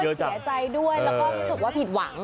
ช่องด้วยเศียร์ใจด้วยแล้วก็คิดว่าผิดหวัง